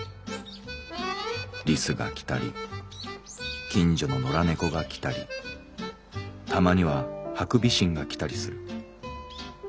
リスが来たり近所の野良猫が来たりたまにはハクビシンが来たりする。